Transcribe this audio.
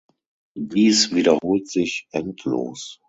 Dies wiederholt sich endlos.